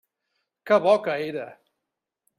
Que bo que era!